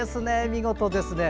見事ですね。